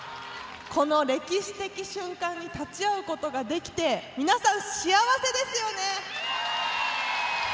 この歴史的瞬間に立ち会うことができて皆さん幸せですよね？